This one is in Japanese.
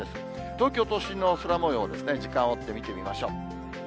東京都心の空もようですね、時間を追って見てみましょう。